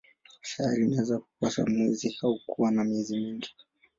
Sayari inaweza kukosa mwezi au kuwa na miezi mingi.